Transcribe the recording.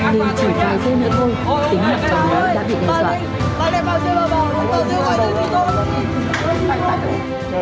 nên chỉ vài giây nữa thôi tính mạng cháu đã bị đe dọa